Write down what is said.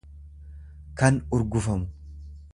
kan urgufamu.